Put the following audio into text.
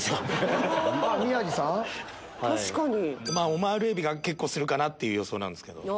オマール海老が結構するかなって予想なんですけど。